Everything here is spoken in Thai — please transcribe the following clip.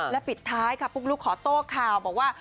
และปิดท้ายค่ะปุ๊กลุ๊กขอโต้ข่าวบอกว่า